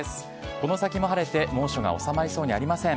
この先も晴れて、猛暑が収まりそうにありません。